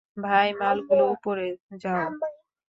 ভাই, মালগুলো ওপরে, যাও।